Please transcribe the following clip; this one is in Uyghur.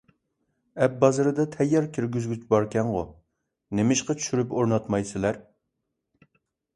ئەپ بازىرىدا تەييار كىرگۈزگۈچ باركەنغۇ؟ نېمىشقا چۈشۈرۈپ ئورناتمايسىلەر؟